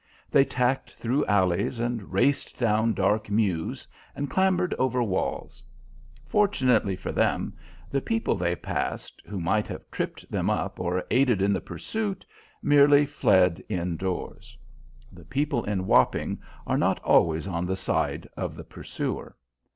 They tacked through alleys and raced down dark mews, and clambered over walls. Fortunately for them, the people they passed, who might have tripped them up or aided in the pursuit, merely fled indoors. The people in Wapping are not always on the side of the pursuer.